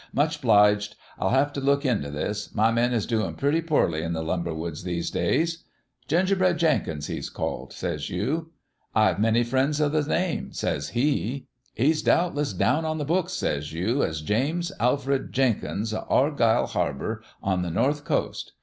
Much 'bliged. I'll have t' look into this. My men is doin' poorly in the lumber woods these times." "'" Gingerbread Jenkins he's called," says you. "'" I've many friends o' the name," says he. "'" He's doubtless down on the books," says you, " as James Alfred Jenkins o' Argyle Harbour on the North Coast.